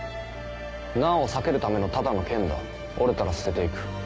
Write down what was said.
難を避けるためのただの剣だ折れたら捨てて行く。